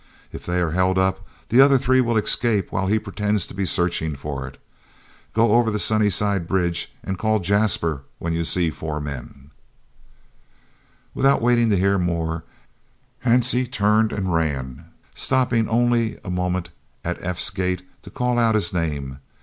If they are held up, the other three will escape while he pretends to be searching for it. Go over the Sunnyside bridge and call 'Jasper' when you see four men " Without waiting to hear more, Hansie turned and ran, stopping only a moment at F.'s gate to call out his name.